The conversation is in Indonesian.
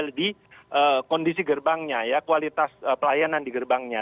jadi kondisi gerbangnya ya kualitas pelayanan di gerbangnya